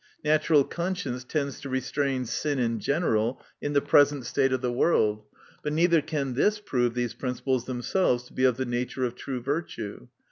Natural conscience tends to restrain sin in general, in the present state of the world. But neither can this prove these principles themselves to be of the na ture of true viitue.